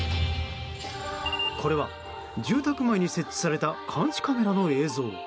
これは住宅前に設置された監視カメラの映像。